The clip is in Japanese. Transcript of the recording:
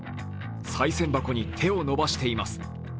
さい銭箱に手を伸ばしています。